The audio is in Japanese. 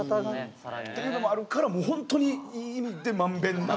っていうのもあるからもうホントにいい意味で満遍なく。